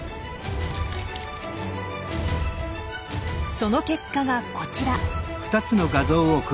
その結果がこちら。